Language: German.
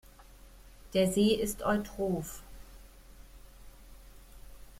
Der See ist eutroph.